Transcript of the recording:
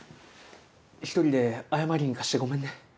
一人で謝りに行かせてごめんね。